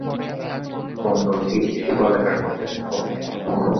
বন্দরটি শিল্প এলাকার মধ্যে অবস্থিত।